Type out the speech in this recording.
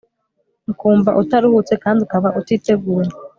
ukumva utaruhutse kandi ukaba utiteguye